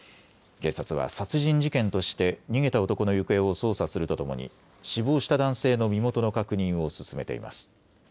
警察は殺人事件として逃げた男の行方を捜査するとともに死亡した男性の身元の確認を進めています。